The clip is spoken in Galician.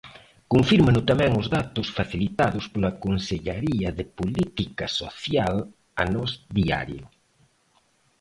Confírmano tamén os datos facilitados pola Consellaría de Política Social a Nós Diario.